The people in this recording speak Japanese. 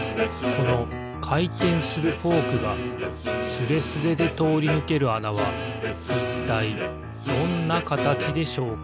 このかいてんするフォークがスレスレでとおりぬけるあなはいったいどんなかたちでしょうか？